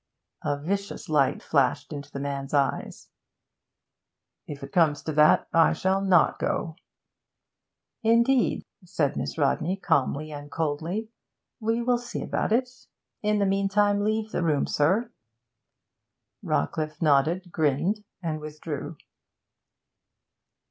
A vicious light flashed into the man's eyes. 'If it comes to that, I shall not go!' 'Indeed?' said Miss Rodney calmly and coldly. 'We will see about it. In the meantime, leave the room, sir!' Rawcliffe nodded, grinned, and withdrew.